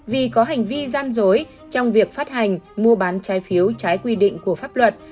vì có hành vi gian dối trong việc phát hành mua bán trái phiếu trái quy định của pháp luật